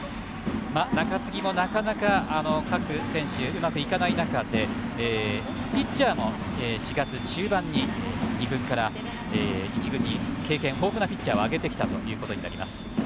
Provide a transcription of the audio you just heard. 中継ぎもなかなか各選手うまくいかない中でピッチャーも４月中盤に二軍から一軍に経験豊富なピッチャーを上げてきたということになります。